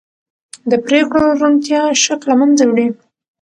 د پرېکړو روڼتیا شک له منځه وړي